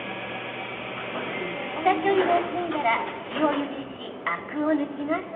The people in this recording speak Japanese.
下処理が済んだら、塩ゆでしアクを抜きます。